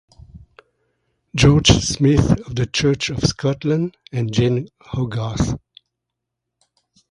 George Smith of the Church of Scotland and Jane Hogarth.